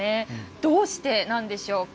どうしてなんでしょうか。